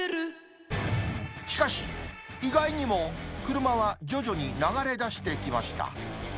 しかし、意外にも車は徐々に流れだしてきました。